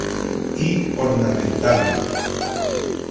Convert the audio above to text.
Y ornamental.